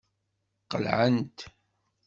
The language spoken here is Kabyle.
Qelɛent.